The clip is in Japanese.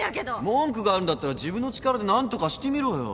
文句があるんだったら自分の力で何とかしてみろよ。